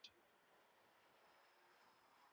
众人呆站在外